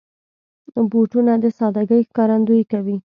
بوټونه د سادګۍ ښکارندويي کوي.